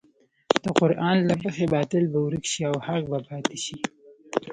د قران له مخې باطل به ورک شي او حق به پاتې شي.